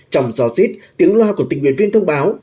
trong gió xít tiếng loa của tình nguyên viên thông báo